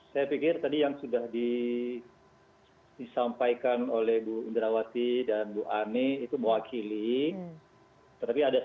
saya pikir yang tadi sudah disampaikan bk indrawati dan bk anae wakilnya ini merupakan tujuan main reisaschtek fakta hukuman terhadap mandaraya